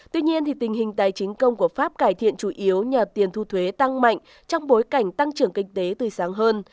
tuy nhiên tình hình tài chính công của pháp cải thiện chủ yếu nhờ tiền thu thuế tăng mạnh trong bối cảnh tăng trưởng kinh tế tươi sáng hơn